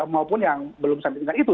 maupun yang belum sampai di tingkat itu